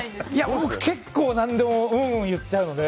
僕、結構何でもうんうん言っちゃうので。